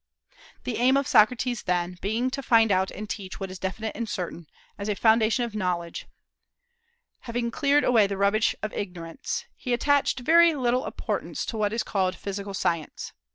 The aim of Socrates, then, being to find out and teach what is definite and certain, as a foundation of knowledge, having cleared away the rubbish of ignorance, he attached very little importance to what is called physical science.